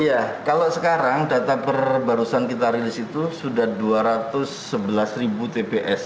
iya kalau sekarang data perbarusan kita rilis itu sudah dua ratus sebelas ribu tps